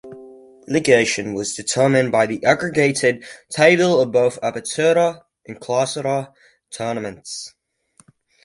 Relegation was determined by the aggregated table of both Apertura and Clausura tournaments.